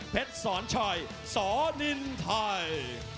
เพชรสอนชัยสอนินไทย